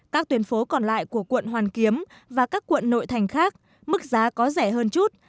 các tuyến phố còn lại của quận hoàn kiếm và các quận nội thành khác mức giá có rẻ hơn chút